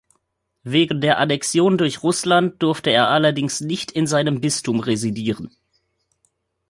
Wegen der Annexion durch Russland durfte er allerdings nicht in seinem Bistum residieren.